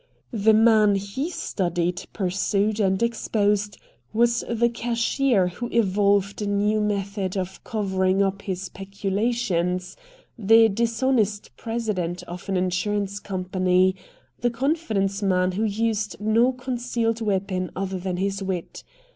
The man he studied, pursued, and exposed was the cashier who evolved a new method of covering up his peculations, the dishonest president of an insurance company, the confidence man who used no concealed weapon other than his wit.